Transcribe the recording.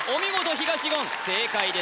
東言正解です